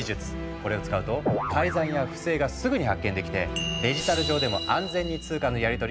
これを使うと改ざんや不正がすぐに発見できてデジタル上でも安全に通貨のやりとりができるんだ。